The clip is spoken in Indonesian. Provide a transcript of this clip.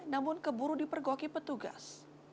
namun keburu dipergoki petugas